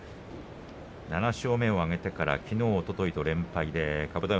７勝目を挙げてからきのう、おとといと連敗でした。